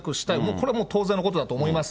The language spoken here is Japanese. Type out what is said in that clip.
これはもう当然のことだと思います。